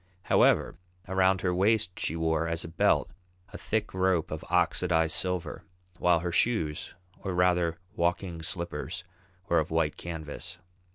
However, around her waist she wore as a belt a thick rope of oxidized silver, while her shoes, or rather walking slippers, were of white canvas.